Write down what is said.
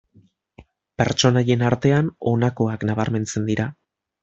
Pertsonaien artean honakoak nabarmentzen dira.